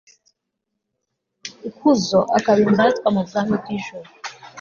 ikuzo, akaba indatwa mu bwami bw'ijuru